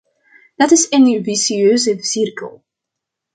Dat is een vicieuze cirkel.